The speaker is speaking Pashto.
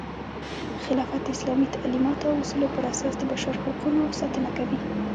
خلافت د اسلامي تعلیماتو او اصولو پراساس د بشر حقونو ساتنه کوي.